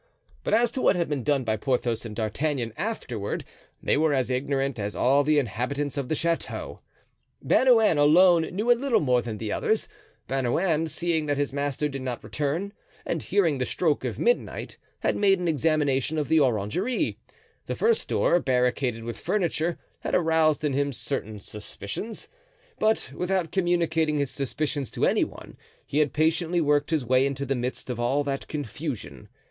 But as to what had been done by Porthos and D'Artagnan afterward they were as ignorant as all the inhabitants of the chateau. Bernouin alone knew a little more than the others. Bernouin, seeing that his master did not return and hearing the stroke of midnight, had made an examination of the orangery. The first door, barricaded with furniture, had aroused in him certain suspicions, but without communicating his suspicions to any one he had patiently worked his way into the midst of all that confusion.